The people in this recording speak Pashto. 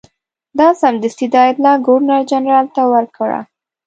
ده سمدستي دا اطلاع ګورنرجنرال ته ورکړه.